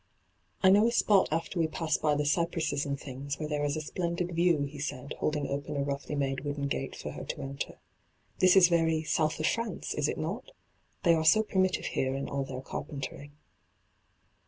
* I know a spot after we pass by the " cypresses and things " where there is a splendid view,' he said, holding open a roughly made wooden gate for her to enter. ' This is very " South of France," is it not ? They are so primitive here in all their carpentering.'